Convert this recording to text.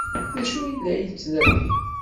D acu ay la yettnadi?